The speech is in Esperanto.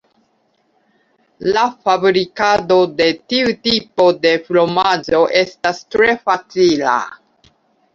La fabrikado de tiu tipo de fromaĝo estas tre facila.